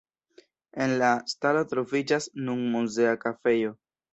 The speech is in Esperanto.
En la stalo troviĝas nun muzea kafejo.